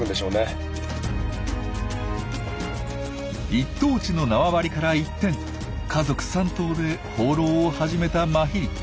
一等地の縄張りから一転家族３頭で放浪を始めたマヒリ。